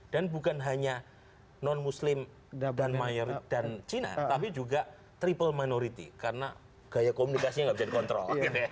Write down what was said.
dan bukan hanya non muslim dan cina tapi juga triple minority karena gaya komunikasinya nggak bisa dikontrol